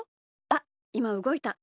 あっいまうごいた。